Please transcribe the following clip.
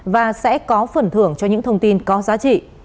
và sẽ có phần thưởng cho những thông tin có giá trị